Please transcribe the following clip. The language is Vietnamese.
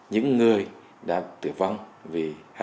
những người đã tử văn vì hivs